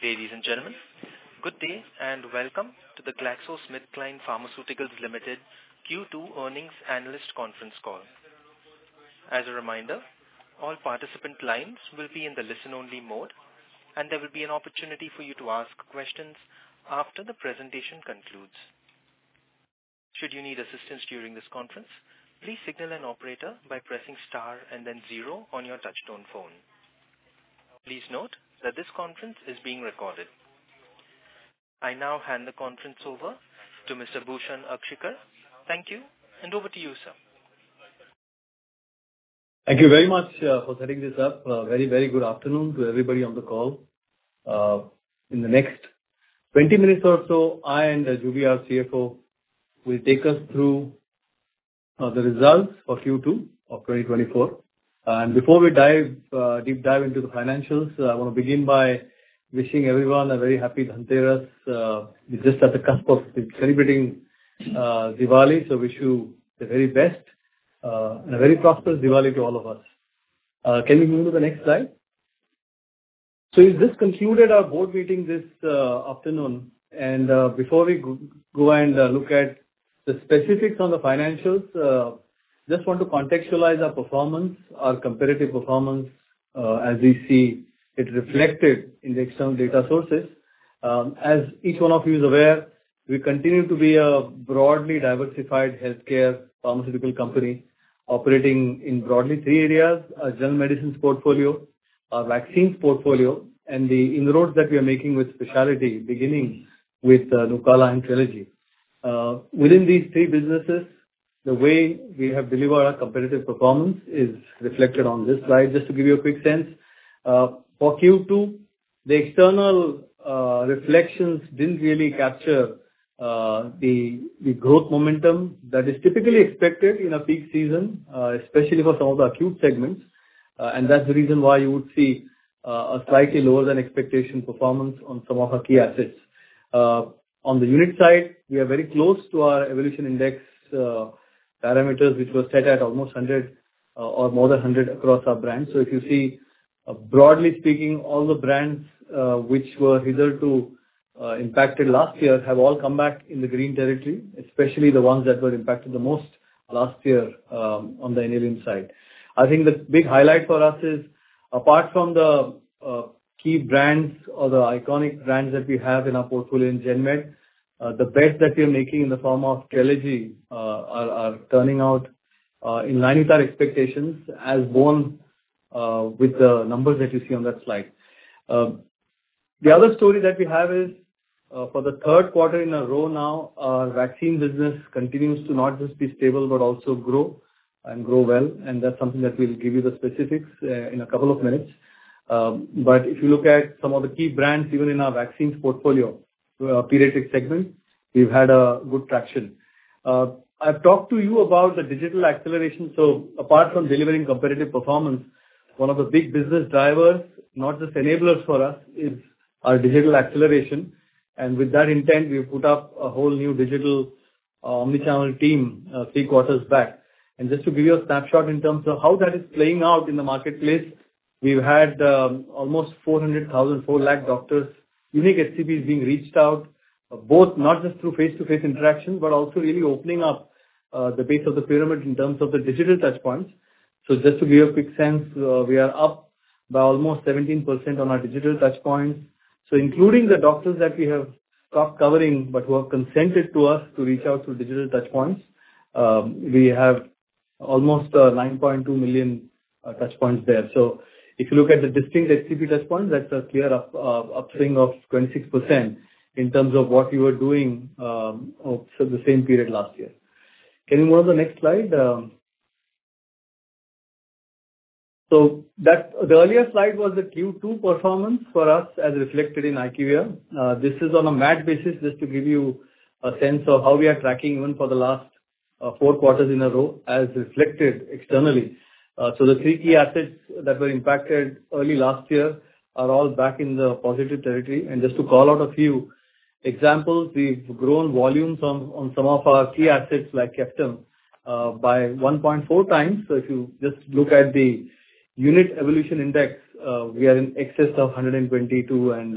Ladies and gentlemen, good day, and welcome to the GlaxoSmithKline Pharmaceuticals Limited Q2 earnings analyst conference call. As a reminder, all participant lines will be in the listen-only mode, and there will be an opportunity for you to ask questions after the presentation concludes. Should you need assistance during this conference, please signal an operator by pressing star and then zero on your touchtone phone. Please note that this conference is being recorded. I now hand the conference over to Mr. Bhushan Akshikar. Thank you, and over to you, sir. Thank you very much for setting this up. Very, very good afternoon to everybody on the call. In the next 20 minutes or so, I and Juby, our CFO, will take us through the results for Q2 of 2024. Before we dive deep into the financials, I want to begin by wishing everyone a very happy Dhanteras. We're just at the cusp of celebrating Diwali, so wish you the very best and a very prosperous Diwali to all of us. Can we move to the next slide? We just concluded our board meeting this afternoon, and before we go and look at the specifics on the financials, just want to contextualize our performance, our competitive performance, as we see it reflected in the external data sources. As each one of you is aware, we continue to be a broadly diversified healthcare pharmaceutical company, operating in broadly three areas: a General Medicines portfolio, a Vaccines portfolio, and the inroads that we are making with Specialty, beginning with Nucala and Trelegy. Within these three businesses, the way we have delivered our competitive performance is reflected on this slide. Just to give you a quick sense, for Q2, the external reflections didn't really capture the growth momentum that is typically expected in a peak season, especially for some of the acute segments, and that's the reason why you would see a slightly lower than expectation performance on some of our key assets. On the unit side, we are very close to our Evolution Index parameters, which was set at almost 100 or more than 100 across our brands. So if you see, broadly speaking, all the brands which were hitherto impacted last year have all come back in the green territory, especially the ones that were impacted the most last year on the Indian side. I think the big highlight for us is apart from the key brands or the iconic brands that we have in our portfolio in GenMed, the bets that we are making in the form of Trelegy are turning out in line with our expectations, as borne with the numbers that you see on that slide. The other story that we have is, for the third quarter in a row now, our Vaccines business continues to not just be stable, but also grow, and grow well, and that's something that we'll give you the specifics, in a couple of minutes. But if you look at some of the key brands, even in our vaccines portfolio, paediatric segment, we've had good traction. I've talked to you about the digital acceleration, so apart from delivering competitive performance, one of the big business drivers, not just enablers for us, is our digital acceleration. And with that intent, we've put up a whole new digital, Omni-channel team, three quarters back. Just to give you a snapshot in terms of how that is playing out in the marketplace, we've had almost 400,000, four lakh doctors, unique HCPs being reached out, both not just through face-to-face interactions, but also really opening up the base of the pyramid in terms of the digital touchpoints. So just to give you a quick sense, we are up by almost 17% on our digital touchpoints. So including the doctors that we have stopped covering, but who have consented to us to reach out through digital touchpoints, we have almost 9.2 million touchpoints there. So if you look at the distinct HCP touchpoints, that's a clear upswing of 26% in terms of what we were doing over the same period last year. Can we move on the next slide? That earlier slide was the Q2 performance for us as reflected in IQVIA. This is on a MAT basis, just to give you a sense of how we are tracking even for the last four quarters in a row, as reflected externally. The three key assets that were impacted early last year are all back in the positive territory. Just to call out a few examples, we've grown volumes on some of our key assets, like Ceftum, by one point four times. If you just look at the unit evolution index, we are in excess of 122 and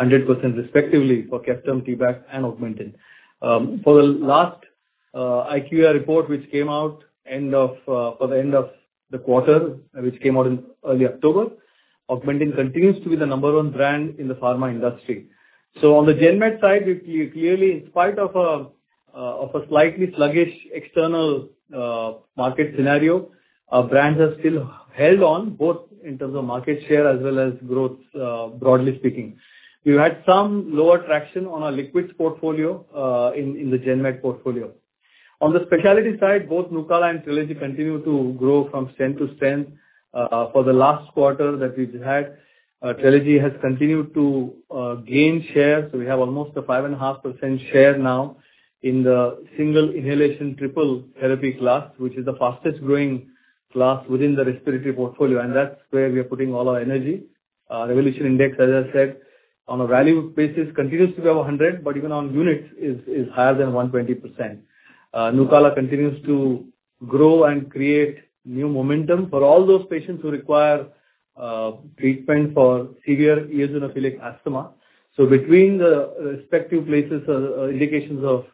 100% respectively for Ceftum, T-Bact and Augmentin. For the last IQVIA report, which came out at the end of the quarter, which came out in early October, Augmentin continues to be the number one brand in the pharma industry. So on the GenMed side, we clearly, in spite of a slightly sluggish external market scenario, our brands have still held on, both in terms of market share as well as growth, broadly speaking. We've had some lower traction on our liquids portfolio in the GenMed portfolio. On the specialty side, both Nucala and Trelegy continue to grow from strength to strength. For the last quarter that we've had, Trelegy has continued to gain share, so we have almost a 5.5% share now in the single inhalation triple therapy class, which is the fastest growing class within the respiratory portfolio, and that's where we are putting all our energy. Evolution Index, as I said, on a value basis, continues to be over 100, but even on units is higher than 120%. Nucala continues to grow and create new momentum for all those patients who require treatment for severe eosinophilic asthma. So between the respective places, indications of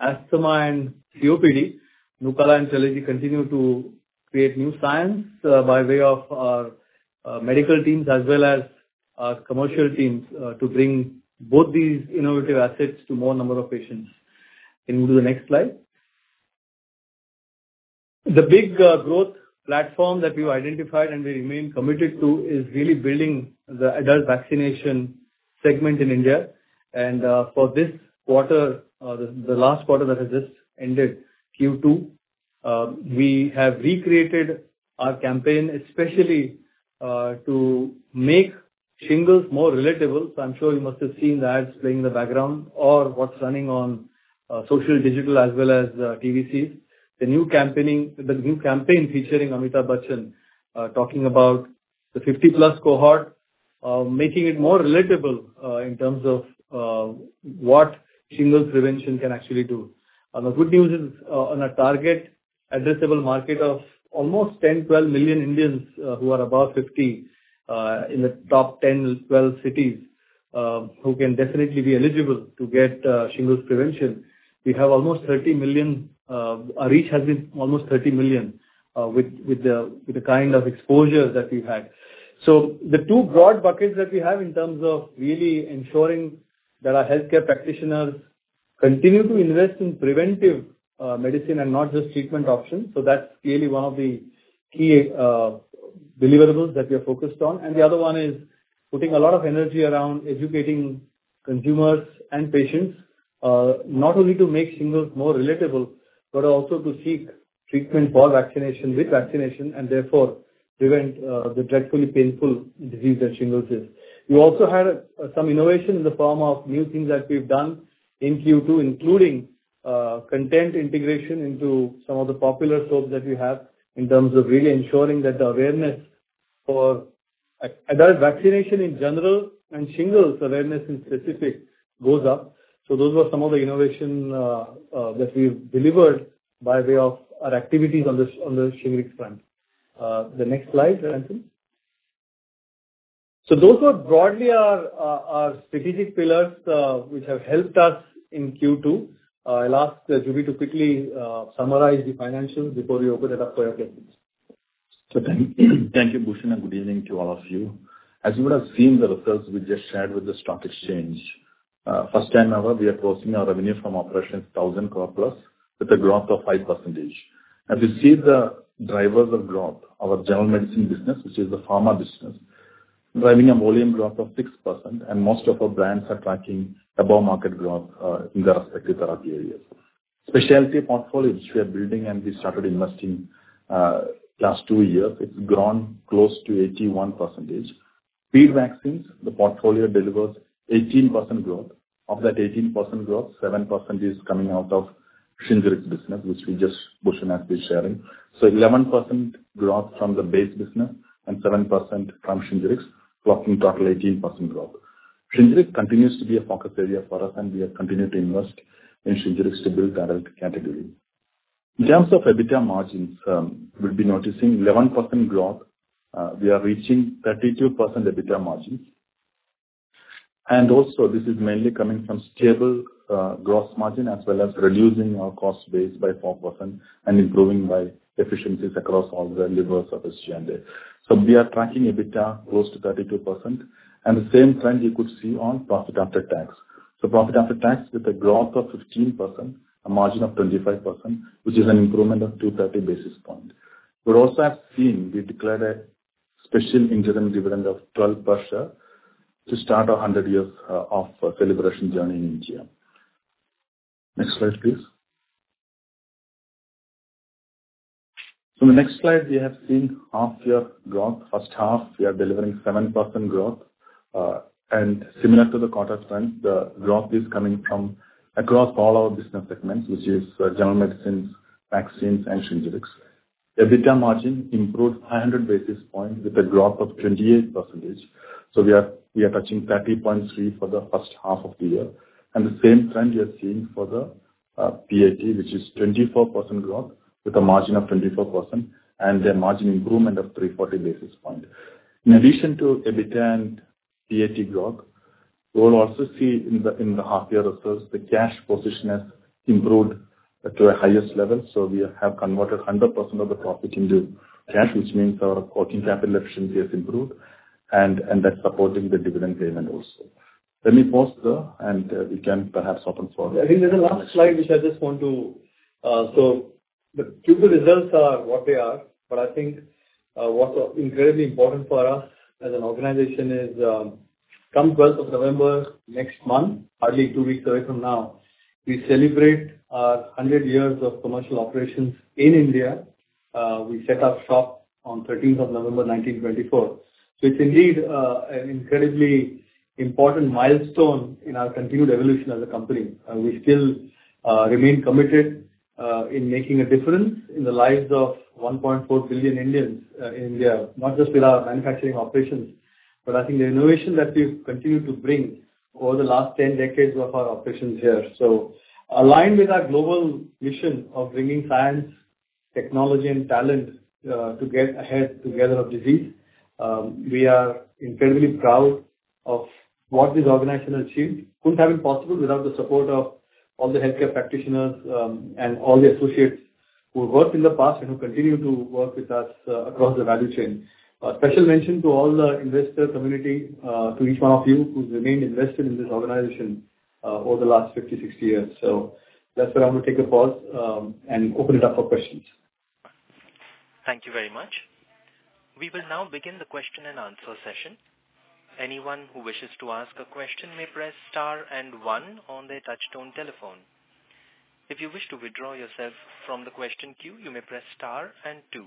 asthma and COPD, Nucala and Trelegy continue to create new science by way of our medical teams as well as our commercial teams to bring both these innovative assets to more number of patients. Can you move to the next slide? The big, growth platform that we've identified and we remain committed to, is really building the adult vaccination segment in India, and for this quarter, the last quarter that has just ended, Q2, we have recreated our campaign, especially, to make shingles more relatable. So I'm sure you must have seen the ads playing in the background or what's running on, social, digital, as well as, TVCs. The new campaign featuring Amitabh Bachchan, talking about the 50+ cohort, making it more relatable, in terms of, what shingles prevention can actually do. The good news is, on a target addressable market of almost 10 million-12 million Indians who are above 50 in the top 10-12 cities, who can definitely be eligible to get shingles prevention, we have almost 30 million. Our reach has been almost 30 million with the kind of exposure that we've had. The two broad buckets that we have in terms of really ensuring that our healthcare practitioners continue to invest in preventive medicine and not just treatment options, so that's really one of the key deliverables that we are focused on. The other one is putting a lot of energy around educating consumers and patients, not only to make shingles more relatable, but also to seek treatment for vaccination, with vaccination, and therefore prevent the dreadfully painful disease that shingles is. We also had some innovation in the form of new things that we've done in Q2, including content integration into some of the popular soaps that we have, in terms of really ensuring that the awareness for adult vaccination in general and shingles awareness in specific goes up. Those were some of the innovation that we've delivered by way of our activities on the Shingrix front. The next slide, Ranjan. Those are broadly our strategic pillars, which have helped us in Q2. I'll ask Juby to quickly summarize the financials before we open it up for your questions. So, thank you, Bhushan, and good evening to all of you. As you would have seen the results we just shared with the stock exchange, first time ever, we are crossing our revenue from operations 1,000+ crore with a growth of 5%. As you see, the drivers of growth, our General Medicines business, which is the pharma business, driving a volume growth of 6%, and most of our brands are tracking above market growth in their respective therapy areas. Specialty portfolio, which we are building, and we started investing last two years, it's grown close to 81%. Pediatrics vaccines, the portfolio delivers 18% growth. Of that 18% growth, 7% is coming out of Shingrix business, which we just, Bhushan has been sharing. Eleven percent growth from the base business and seven percent from Shingrix, clocking total eighteen percent growth. Shingrix continues to be a focus area for us, and we have continued to invest in Shingrix to build adult category. In terms of EBITDA margins, you'll be noticing eleven percent growth. We are reaching 32% EBITDA margins. And also this is mainly coming from stable gross margin, as well as reducing our cost base by 4% and improving by efficiencies across all the levels of our P&L. We are tracking EBITDA close to 32%, and the same trend you could see on profit after tax. Profit after tax with a growth of 15%, a margin of 25%, which is an improvement of 230 basis points. We also have seen, we declared a special interim dividend of 12 per share to start our 100 years of celebration journey in India. Next slide, please. So in the next slide, we have seen half year growth. First half, we are delivering 7% growth. And similar to the quarter trend, the growth is coming from across all our business segments, which is general medicines, vaccines, and Shingrix. The EBITDA margin improved 100 basis points with a growth of 28%. So we are touching 30.3% for the first half of the year. And the same trend we are seeing for the PAT, which is 24% growth with a margin of 24%, and then margin improvement of 340 basis points. In addition to EBITDA and PAT growth, we'll also see in the half year results, the cash position has improved to the highest level. So we have converted 100% of the profit into cash, which means our working capital efficiency has improved, and that's supporting the dividend payment also. Let me pause there, and we can perhaps open floor. I think there's a last slide, which I just want to, so the Q2 results are what they are, but I think, what's incredibly important for us as an organization is, come 12th of November, next month, hardly two weeks away from now, we celebrate, hundred years of commercial operations in India. We set up shop on 13th of November 1924 so it's indeed, an incredibly important milestone in our continued evolution as a company. We still, remain committed, in making a difference in the lives of 1.4 billion Indians, in India, not just with our manufacturing operations, but I think the innovation that we've continued to bring over the last 10 decades of our operations here. So aligned with our global mission of bringing science, technology, and talent, to get ahead together of disease, we are incredibly proud of what this organization achieved. Couldn't have been possible without the support of all the healthcare practitioners, and all the associates who worked in the past and who continue to work with us, across the value chain. A special mention to all the investor community, to each one of you who's remained invested in this organization, over the last 50, 60 years. So that's where I'm going to take a pause, and open it up for questions. Thank you very much. We will now begin the question and answer session. Anyone who wishes to ask a question may press star and one on their touchtone telephone. If you wish to withdraw yourself from the question queue, you may press star and two.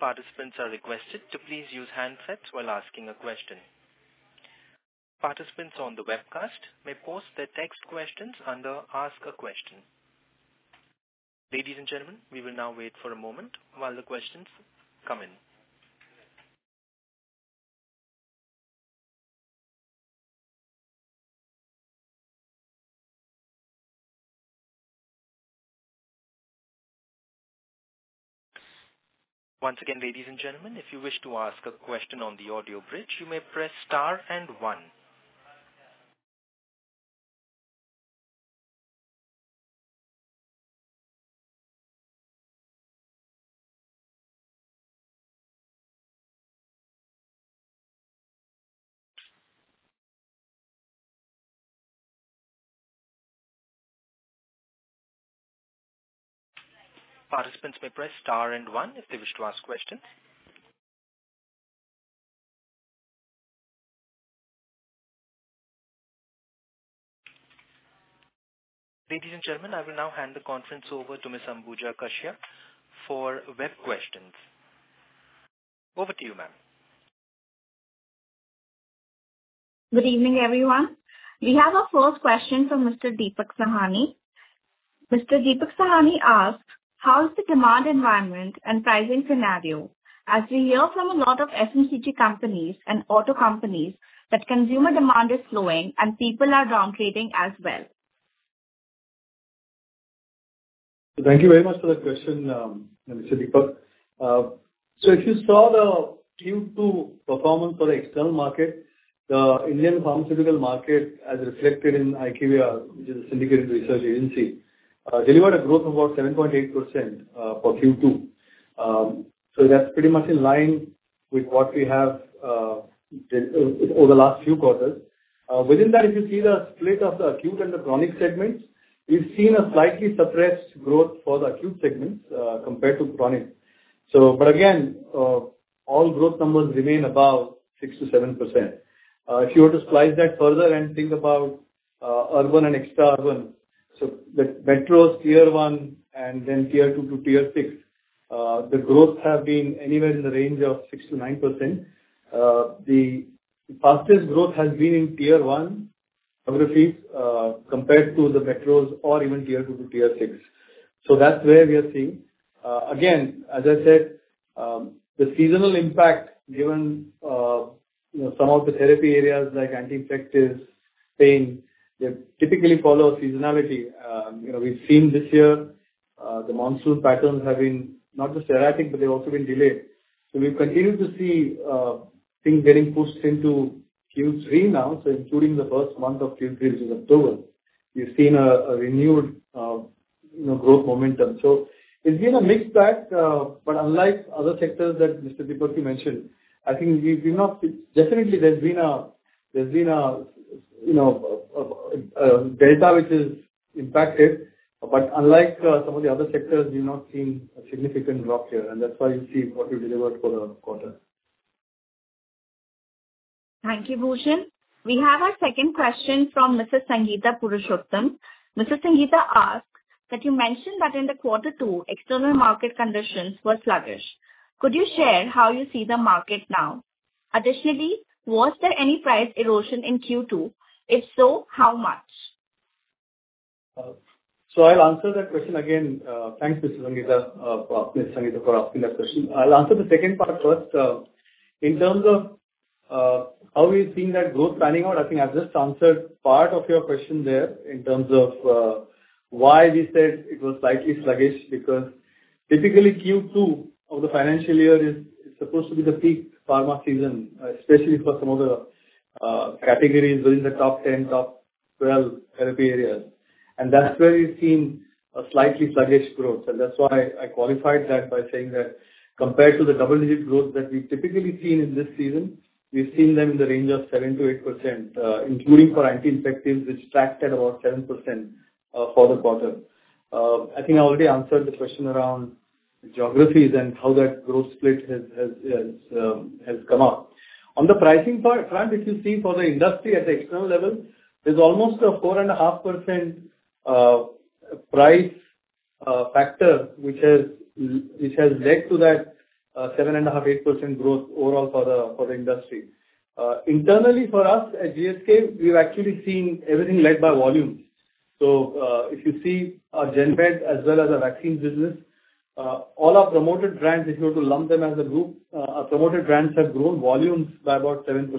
Participants are requested to please use handsets while asking a question. Participants on the webcast may post their text questions under Ask a Question. Ladies and gentlemen, we will now wait for a moment while the questions come in. Once again, ladies and gentlemen, if you wish to ask a question on the audio bridge, you may press star and one. Participants may press star and one if they wish to ask questions. Ladies and gentlemen, I will now hand the conference over to Ms. Anuja Kakaria for web questions. Over to you, ma'am. Good evening, everyone. We have our first question from Mr. Deepak Sahni. Mr. Deepak Sahni asks, "How is the demand environment and pricing scenario, as we hear from a lot of FMCG companies and auto companies, that consumer demand is slowing and people are downgrading as well? Thank you very much for that question, Mr. Deepak. So if you saw the Q2 performance for the external market, the Indian pharmaceutical market, as reflected in IQVIA, which is a syndicated research agency, delivered a growth of about 7.8% for Q2. So that's pretty much in line with what we have over the last few quarters. Within that, if you see the split of the acute and the chronic segments, we've seen a slightly suppressed growth for the acute segments compared to chronic. So but again, all growth numbers remain above 6%-7%. If you were to slice that further and think about urban and rurban, so the metros Tier 1 and then Tier 1 to Tier 6, the growth have been anywhere in the range of 6%-9%. The fastest growth has been in Tier 1 geographies, compared to the metros or even Tier 2 to Tier 6. So that's where we are seeing. Again, as I said, the seasonal impact given, you know, some of the therapy areas like infectives, pain, they typically follow seasonality. You know, we've seen this year, the monsoon patterns have been not just erratic, but they've also been delayed. So we've continued to see, things getting pushed into Q3 now. So including the first month of Q3, which is October, we've seen a renewed, you know, growth momentum. So it's been a mixed bag, but unlike other sectors that Mr. Deepak you mentioned, I think we've been not... Definitely there's been a, you know, delta, which is impacted, but unlike some of the other sectors, we've not seen a significant drop here, and that's why you see what we delivered for the quarter. Thank you, Bhushan. We have our second question from Ms. Sangeeta Purushottam. Ms. Sangeeta asks, "As you mentioned that in the quarter two, external market conditions were sluggish. Could you share how you see the market now? Additionally, was there any price erosion in Q2? If so, how much? So I'll answer that question again. Thanks, Ms. Sangeeta for asking that question. I'll answer the second part first. In terms of how we're seeing that growth panning out, I think I've just answered part of your question there in terms of why we said it was slightly sluggish, because typically, Q2 of the financial year is supposed to be the peak pharma season, especially for some of the categories within the top 10, top 12 therapy areas, and that's where we've seen a slightly sluggish growth, and that's why I qualified that by saying that compared to the double-digit growth that we've typically seen in this season, we've seen them in the range of 7%-8%, including for infectives, which tracked at about 7%, for the quarter. I think I already answered the question around geographies and how that growth split has come out. On the pricing part front, if you see for the industry at the external level, there's almost a 4.5% price factor, which has led to that 7.5-8% growth overall for the industry. Internally, for us at GSK, we've actually seen everything led by volume, so if you see our gen med as well as our Vaccines business, all our promoted brands, if you were to lump them as a group, our promoted brands have grown volumes by about 7%.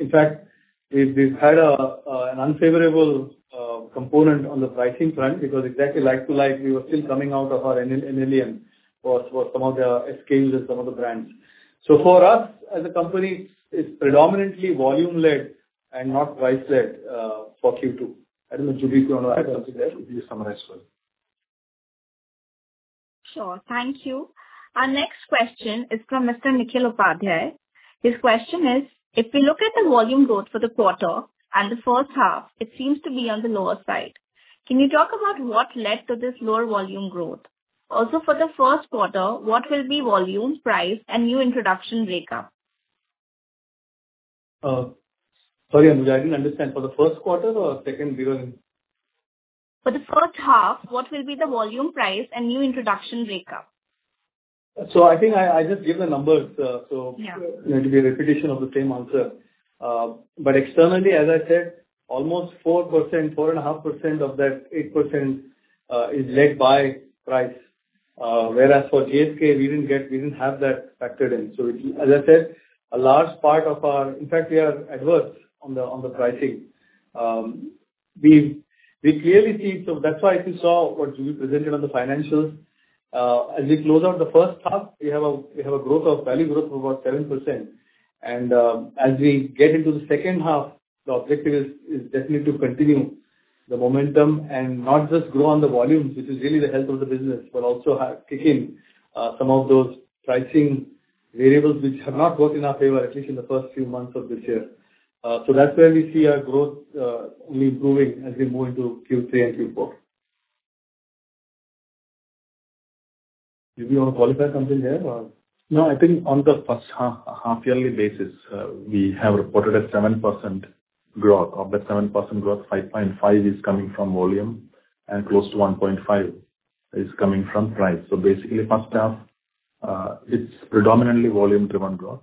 In fact, we've had an unfavorable component on the pricing front, because exactly like to like, we were still coming out of our NLEM for some of the sales and some of the brands. So for us, as a company, it's predominantly volume led and not price led for Q2. I don't know, Juby, if you want to add something there, would be summarized well. Sure. Thank you. Our next question is from Mr. Nikhil Upadhyay. His question is: If we look at the volume growth for the quarter and the first half, it seems to be on the lower side. Can you talk about what led to this lower volume growth? Also, for the first quarter, what will be volume, price, and new introduction breakup? Sorry, Anuja, I didn't understand. For the first quarter or second year? For the first half, what will be the volume, price, and new introduction break up? So I think I just gave the numbers. Yeah. It'll be a repetition of the same answer. But externally, as I said, almost 4%, 4.5% of that 8%, is led by price. Whereas for GSK, we didn't have that factored in. So as I said, a large part of our... In fact, we are adverse on the pricing. We clearly see, so that's why if you saw what Juby presented on the financials, as we close out the first half, we have value growth of about 7%. As we get into the second half, the objective is definitely to continue the momentum and not just grow on the volumes, which is really the health of the business, but also have kick in some of those pricing variables which have not worked in our favor, at least in the first few months of this year. That's where we see our growth only improving as we move into Q3 and Q4. Do you want to qualify something there or? No, I think on the first half, half yearly basis, we have reported a 7% growth. Of that 7% growth, 5.5% is coming from volume, and close to 1.5% is coming from price. So basically, first half, it's predominantly volume-driven growth.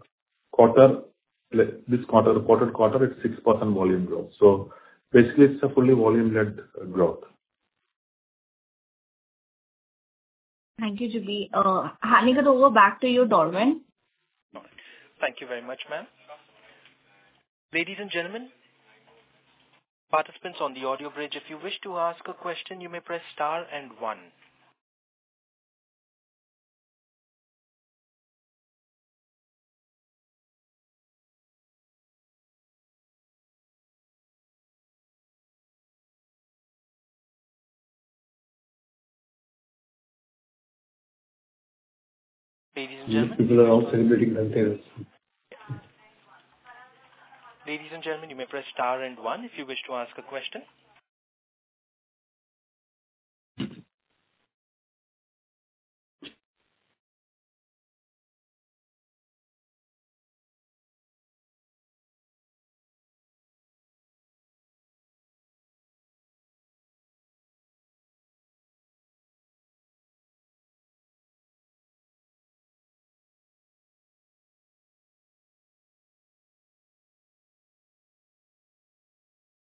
Quarter, like, this quarter, the reported quarter, it's 6% volume growth. So basically, it's a fully volume-led growth. Thank you, Juby. Handing it over back to you, Darwin. Thank you very much, ma'am. Ladies and gentlemen, participants on the audio bridge, if you wish to ask a question, you may press star and one. Ladies and gentlemen- People are all celebrating out there. Ladies and gentlemen, you may press star and one if you wish to ask a question.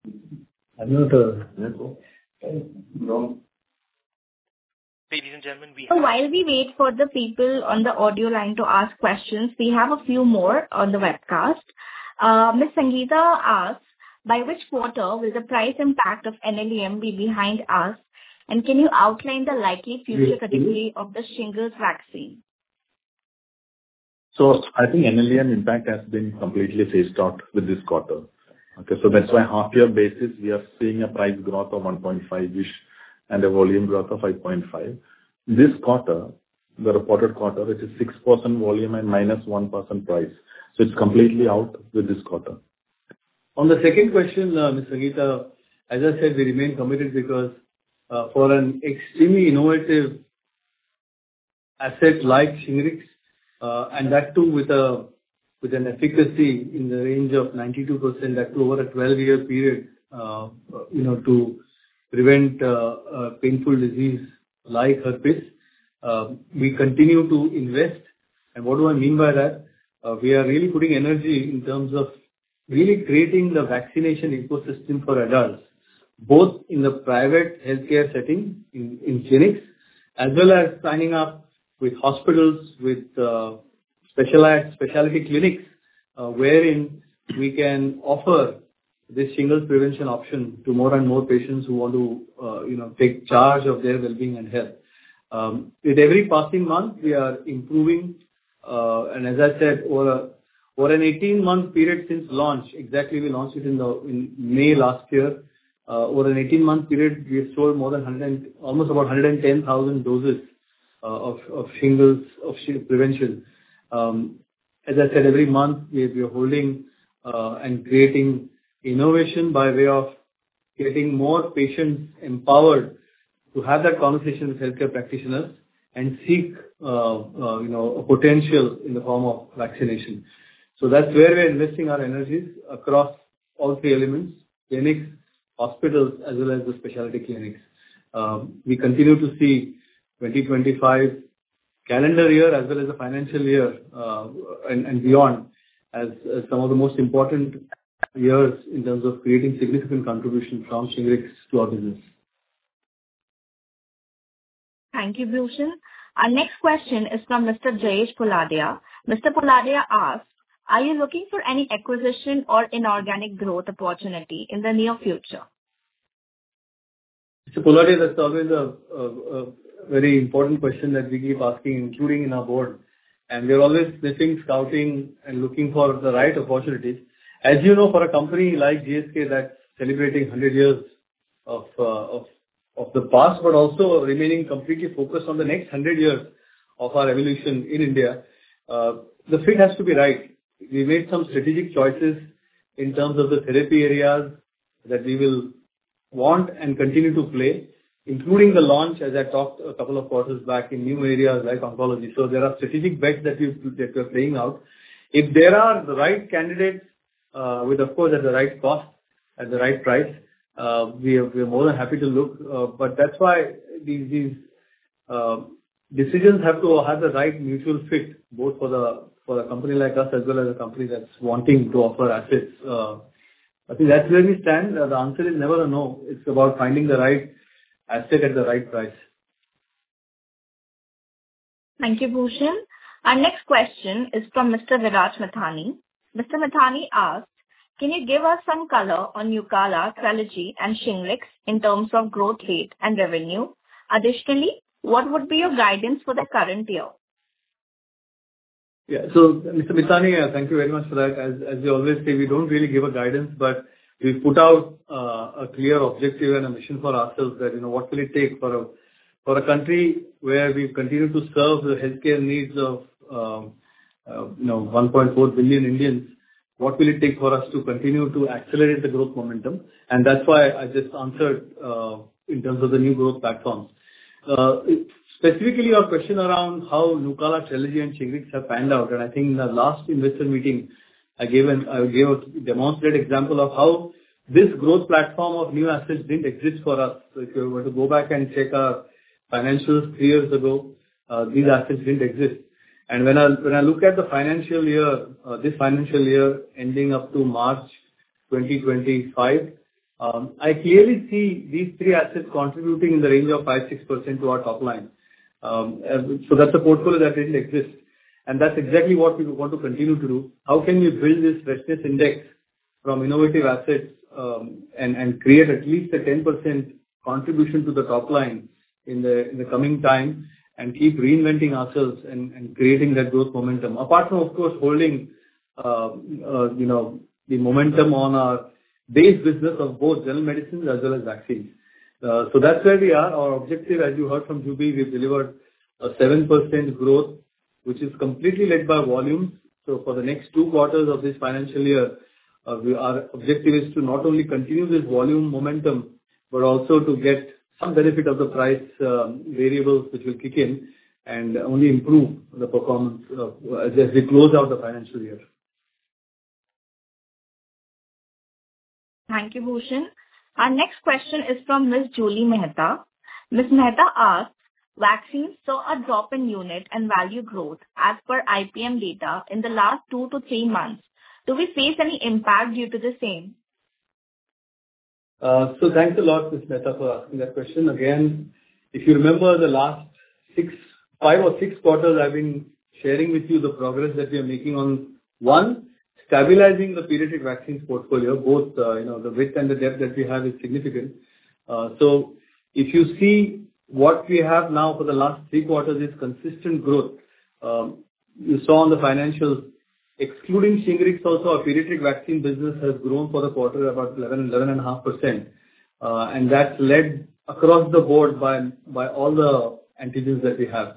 I don't know, so... No. Ladies and gentlemen, we have- While we wait for the people on the audio line to ask questions, we have a few more on the webcast. Miss Sangeeta asks, "By which quarter will the price impact of NLEM be behind us? And can you outline the likely future category of the shingles vaccine? So, I think NLEM impact has been completely phased out starting with this quarter. Okay, so that's why half year basis, we are seeing a price growth of 1.5%-ish and a volume growth of 5.5%. This quarter, the reported quarter, it is 6% volume and -1% price, so it's completely out with this quarter. On the second question, Miss Sangeeta, as I said, we remain committed because, for an extremely innovative asset like Shingrix, and that too with an efficacy in the range of 92%, that too over a 12-year period, you know, to prevent a painful disease like herpes, we continue to invest. And what do I mean by that? We are really putting energy in terms of really creating the vaccination ecosystem for adults, both in the private healthcare setting, in clinics, as well as signing up with hospitals, with specialized specialty clinics, wherein we can offer this Shingrix prevention option to more and more patients who want to, you know, take charge of their well-being and health. With every passing month, we are improving, and as I said, over an 18-month period since launch, exactly we launched it in May last year. Over an 18-month period, we have sold more than 100 and almost 110,000 doses of shingles, of Shingrix prevention. As I said, every month, we are holding and creating innovation by way of getting more patients empowered to have that conversation with healthcare practitioners and seek, you know, a potential in the form of vaccination. So that's where we're investing our energies across all three elements: clinics, hospitals, as well as the specialty clinics. We continue to see 2025 calendar year as well as the financial year and beyond as some of the most important years in terms of creating significant contribution from Shingrix to our business. Thank you, Bhushan. Our next question is from Mr. Jayesh Poladia. Mr. Poladia asks: Are you looking for any acquisition or inorganic growth opportunity in the near future? Mr. Poladia, that's always a very important question that we keep asking, including in our board, and we're always sniffing, scouting, and looking for the right opportunities. As you know, for a company like GSK that's celebrating 100 years of the past, but also remaining completely focused on the next 100 years of our evolution in India, the fit has to be right. We made some strategic choices in terms of the therapy areas that we will want and continue to play, including the launch, as I talked a couple of quarters back, in new areas like oncology. So there are strategic bets that we're playing out. If there are the right candidates, with, of course, at the right cost, at the right price, we're more than happy to look. But that's why these decisions have to have the right mutual fit, both for a company like us, as well as a company that's wanting to offer assets. I think that's where we stand. The answer is never a no. It's about finding the right asset at the right price. Thank you, Bhushan. Our next question is from Mr. Viraj Mithani. Mr. Mithani asks: Can you give us some color on Nucala, Trelegy, and Shingrix in terms of growth rate and revenue? Additionally, what would be your guidance for the current year? Yeah. So Mr. Mithani, thank you very much for that. As we always say, we don't really give a guidance, but we've put out a clear objective and a mission for ourselves that, you know, what will it take for a country where we continue to serve the healthcare needs of, you know, one point four billion Indians, what will it take for us to continue to accelerate the growth momentum? And that's why I just answered in terms of the new growth platforms. Specifically, your question around how Nucala, Trelegy, and Shingrix have panned out, and I think in the last investor meeting, I gave a demonstrated example of how this growth platform of new assets didn't exist for us. So if you were to go back and check our financials three years ago, these assets didn't exist. And when I, when I look at the financial year, this financial year, ending up to March 2025, I clearly see these three assets contributing in the range of 5-6% to our top line. So that's a portfolio that didn't exist, and that's exactly what we want to continue to do. How can we build this richness index from innovative assets, and, and create at least a 10% contribution to the top line in the, in the coming times, and keep reinventing ourselves and, and creating that growth momentum? Apart from, of course, holding, you know, the momentum on our base business of both General Medicines as well as Vaccines. So that's where we are. Our objective, as you heard from Juby, we've delivered a 7% growth, which is completely led by volume. So for the next two quarters of this financial year, we, our objective is to not only continue this volume momentum, but also to get some benefit of the price, variables, which will kick in and only improve the performance, as we close out the financial year. Thank you, Bhushan. Our next question is from Ms. Julie Mehta. Ms. Mehta asks: Vaccines saw a drop in unit and value growth as per IPM data in the last two to three months. Do we face any impact due to the same? So thanks a lot, Ms. Mehta, for asking that question. Again, if you remember the last five or six quarters, I've been sharing with you the progress that we are making on, one, stabilizing the pediatric vaccines portfolio, both, you know, the width and the depth that we have is significant. So if you see what we have now for the last three quarters, is consistent growth. You saw on the financials, excluding Shingrix also, our pediatric Vaccines business has grown for the quarter about 11.5%. And that's led across the board by all the antigens that we have.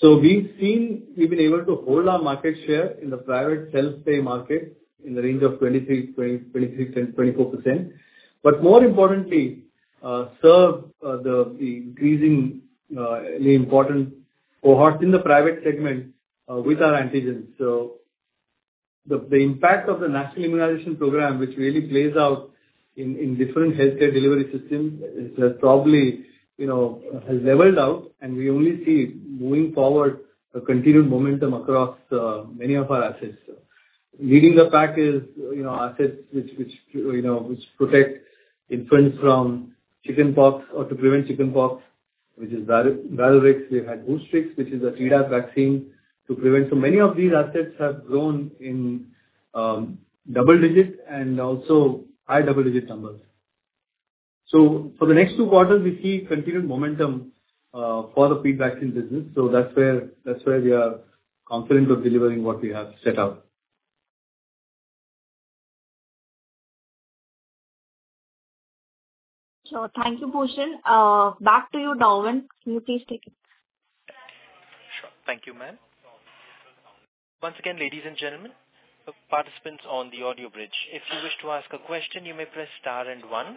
So we've been able to hold our market share in the private self-pay market in the range of 23%-24%. But more importantly, serve the increasing, the important cohorts in the private segment with our antigens. So the impact of the National Immunization Program, which really plays out in different healthcare delivery systems, has probably, you know, has leveled out, and we only see moving forward, a continued momentum across many of our assets. Leading the pack is, you know, assets which protect infants from chickenpox or to prevent chickenpox, which is Varilrix. We've had Boostrix, which is a Tdap vaccine to prevent. So many of these assets have grown in double digits and also high double-digit numbers. So for the next two quarters, we see continued momentum for the pediatrics business. So that's where we are confident of delivering what we have set out. Sure. Thank you, Bhushan. Back to you, Darwin. Can you please take it? Sure. Thank you, ma'am. Once again, ladies and gentlemen, participants on the audio bridge, if you wish to ask a question, you may press star and one.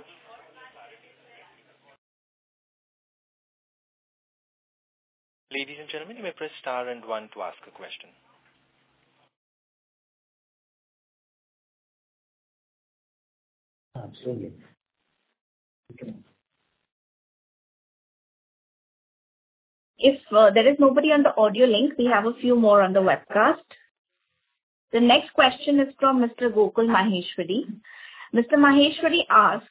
Ladies and gentlemen, you may press star and one to ask a question. Absolutely. Thank you. If there is nobody on the audio link, we have a few more on the webcast. The next question is from Mr. Gokul Maheshwari. Mr. Maheshwari asks: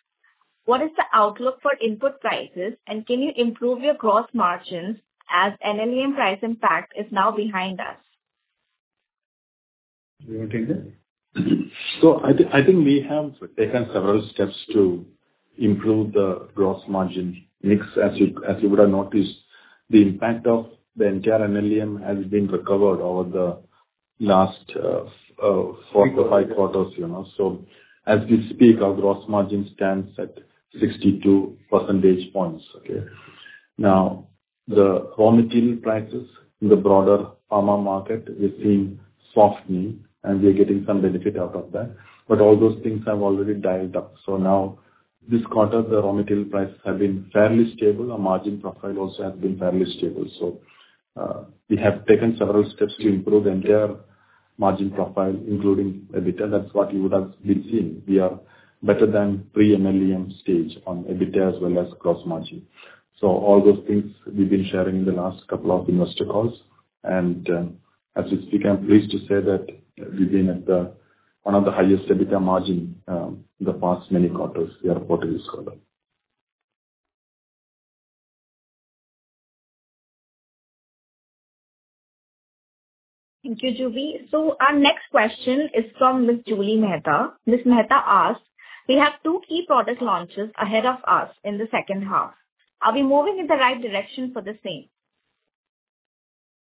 "What is the outlook for input prices, and can you improve your gross margins as NLEM price impact is now behind us? Do you want to take that? So I think we have taken several steps to improve the gross margin mix. As you, as you would have noticed, the impact of the NQR and NLEM has been recovered over the last four to five quarters, you know. So as we speak, our gross margin stands at 62 percentage points, okay? Now, the raw material prices in the broader pharma market, we're seeing softening, and we are getting some benefit out of that, but all those things have already dialed up. So now, this quarter, the raw material prices have been fairly stable. Our margin profile also has been fairly stable. So, we have taken several steps to improve the entire margin profile, including EBITDA. That's what you would have been seeing. We are better than pre-NLEM stage on EBITDA as well as gross margin. So all those things we've been sharing in the last couple of investor calls, and, as we speak, I'm pleased to say that we've been at the one of the highest EBITDA margin in the past many quarters we have reported this quarter. Thank you, Juby. So our next question is from Ms. Julie Mehta. Ms. Mehta asks: "We have two key product launches ahead of us in the second half. Are we moving in the right direction for the same?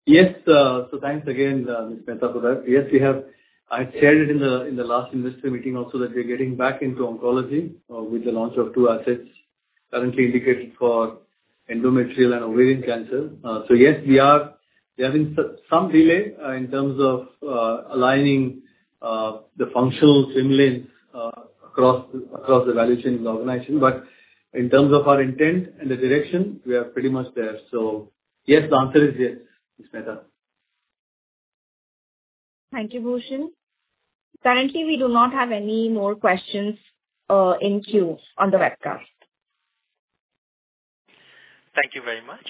Yes. So thanks again, Ms. Mehta, for that. Yes, we have. I shared it in the last investor meeting also that we're getting back into oncology with the launch of two assets currently indicated for endometrial and ovarian cancer. So yes, we are. We are having some delay in terms of aligning the functional silos across the value chain in the organization. But in terms of our intent and the direction, we are pretty much there. So yes, the answer is yes, Ms. Mehta. Thank you, Bhushan. Currently, we do not have any more questions, in queue on the webcast. Thank you very much.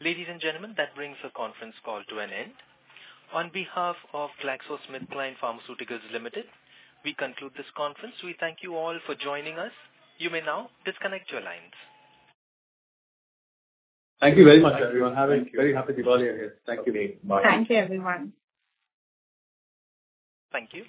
Ladies and gentlemen, that brings the conference call to an end. On behalf of GlaxoSmithKline Pharmaceuticals Limited, we conclude this conference. We thank you all for joining us. You may now disconnect your lines. Thank you very much, everyone. Have a very happy Diwali ahead. Thank you. Bye. Thank you, everyone. Thank you.